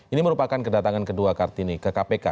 ini merupakan kedatangan kedua kartini ke kpk